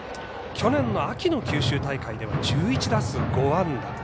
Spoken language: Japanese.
去年の秋の九州大会では１１打数５安打。